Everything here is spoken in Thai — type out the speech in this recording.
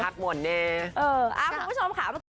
แบบ